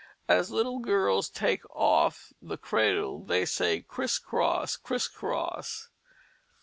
As little girls "take off" the cradle they say, "criss cross, criss cross."